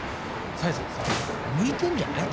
紗英さんさ向いてんじゃない？